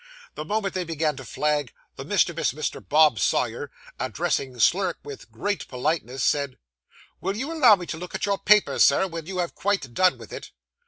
The moment they began to flag, the mischievous Mr. Bob Sawyer, addressing Slurk with great politeness, said 'Will you allow me to look at your paper, Sir, when you have quite done with it?